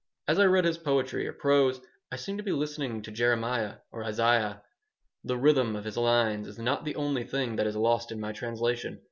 As I read his poetry or prose I seemed to be listening to Jeremiah or Isaiah. The rhythm of his lines is not the only thing that is lost in my translation.